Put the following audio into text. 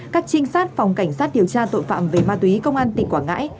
các trinh sát phòng cảnh sát điều tra tội phạm về ma túy công an tỉnh quảng ngãi